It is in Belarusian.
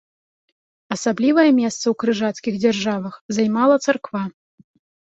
Асаблівае месца ў крыжацкіх дзяржавах займала царква.